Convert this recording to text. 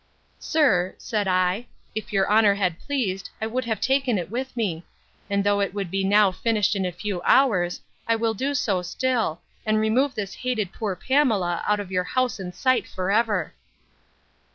Sir, said I, if your honour had pleased, I would have taken it with me; and though it would be now finished in a few hours, I will do so still; and remove this hated poor Pamela out of your house and sight for ever.